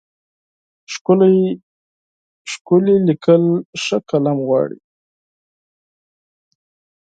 ښکلي لیکل ښه قلم غواړي.